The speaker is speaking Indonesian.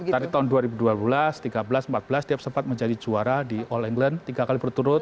tadi tahun dua ribu dua belas tiga belas empat belas dia sempat menjadi juara di all england tiga kali berturut